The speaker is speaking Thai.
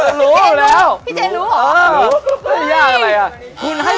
เออเขาต้องหมดลดใช่ไหม